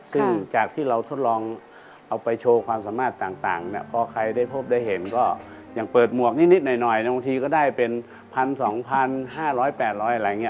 ซึ่งจากที่เราทดลองเอาไปโชว์ความสามารถต่างพอใครได้พบได้เห็นก็ยังเปิดหมวกนิดหน่อยบางทีก็ได้เป็น๑๒๕๐๐๘๐๐อะไรอย่างนี้